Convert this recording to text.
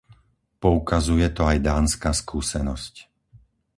Poukazuje to aj dánska skúsenosť.